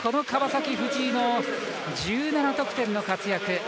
川崎、藤井の１７得点の活躍。